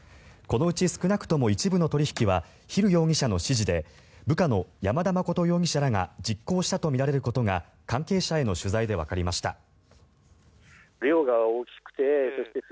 このうち少なくとも一部の取引はヒル容疑者の指示で部下の山田誠容疑者らが実行したとみられることが関係者への取材でわかりました。